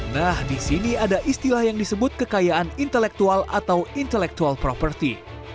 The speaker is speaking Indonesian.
nah di sini ada istilah yang disebut kekayaan intelektual atau intellectual property